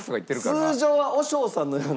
通常は和尚さんのような。